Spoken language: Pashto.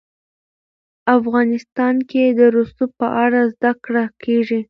افغانستان کې د رسوب په اړه زده کړه کېږي.